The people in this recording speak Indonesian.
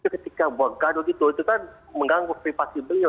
ketika buat gaduh gitu itu kan mengganggu privasi beliau